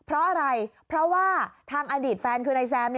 เพราะอะไรเพราะว่าทางอดีตแฟนคือนายแซม